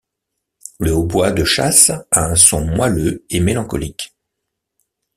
Le hautbois de chasse a un son moelleux et mélancolique.